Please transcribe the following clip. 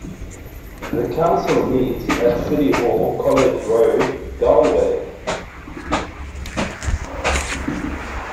The council meets at City Hall, College Road, Galway.